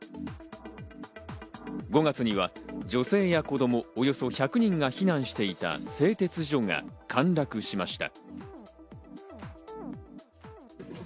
５月には女性や子供、およそ１００人が避難していた製鉄所が陥落しました。